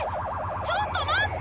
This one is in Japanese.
ちょっと待って！